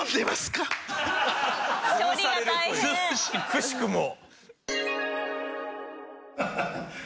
くしくも。